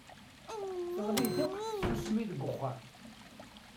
Teɣli-d akk tsusmi deg wexxam.